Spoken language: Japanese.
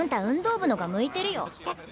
運動部のが向いてるよ。